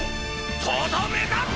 とどめだビ！